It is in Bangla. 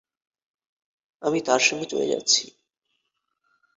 আমি তার সঙ্গে চলে যাচ্ছি।